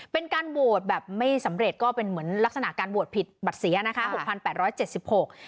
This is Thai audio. เป็นการโหวตแบบไม่สำเร็จก็เป็นเหมือนลักษณะการโหวตผิดบัตรเสียนะคะหกพันแปดร้อยเจ็ดสิบหก